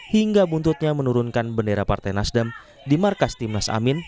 hingga buntutnya menurunkan bendera partai nasdem di markas timnas amin